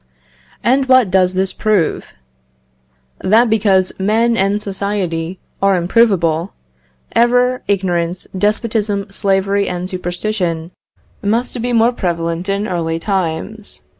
And what does this prove? That because men and society are improvable, error, ignorance, despotism, slavery, and superstition must be more prevalent in early times.